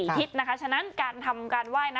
คิดนะคะฉะนั้นการทำการไหว้